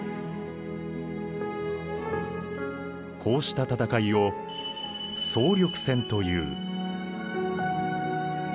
こうした戦いを総力戦という。